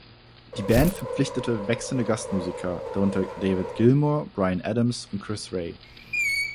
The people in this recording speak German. Die Band verpflichtete wechselnde Gastmusiker, darunter David Gilmour, Bryan Adams und Chris Rea.